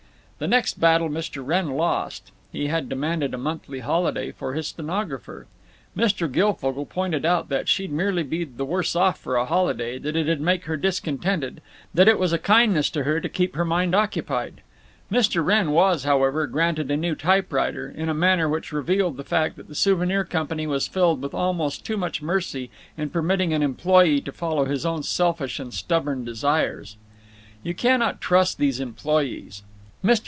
The next battle Mr. Wrenn lost. He had demanded a monthly holiday for his stenographer. Mr. Guilfogle pointed out that she'd merely be the worse off for a holiday, that it 'd make her discontented, that it was a kindness to her to keep her mind occupied. Mr. Wrenn was, however, granted a new typewriter, in a manner which revealed the fact that the Souvenir Company was filled with almost too much mercy in permitting an employee to follow his own selfish and stubborn desires. You cannot trust these employees. Mr.